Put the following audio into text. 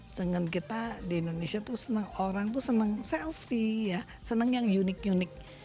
sedangkan kita di indonesia tuh senang orang tuh senang selfie senang yang unik unik